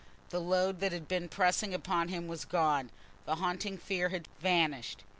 The load that had been pressing upon him was gone, the haunting fear had vanished.